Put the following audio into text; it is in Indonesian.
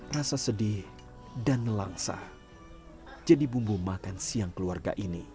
rasa sedih dan langsa jadi bumbu makan siang keluarga ini